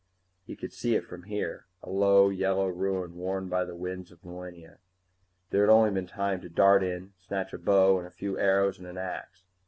He could see it from here, a low yellow ruin worn by the winds of millennia. There had only been time to dart in, snatch a bow and a few arrows and an axe.